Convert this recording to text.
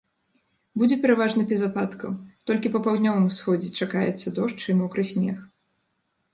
Будзе пераважна без ападкаў, толькі па паўднёвым усходзе чакаецца дождж і мокры снег.